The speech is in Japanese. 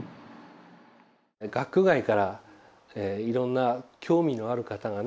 学区外からいろんな興味のある方がね